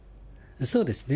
そうですね。